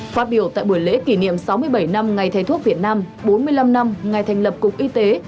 phát biểu tại buổi lễ kỷ niệm sáu mươi bảy năm ngày thầy thuốc việt nam bốn mươi năm năm ngày thành lập cục y tế